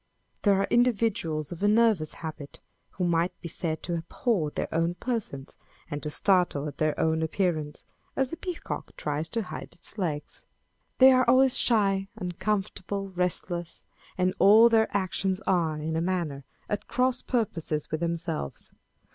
There arc individuals of a nervous habit, who might be said to abhor their own persons, and to startle at their own appearance, as the peacock tries to hide its legs. They are always shy, uncomfortable, restless ; and all their actions are, in a manner, at cross purposes with them selves.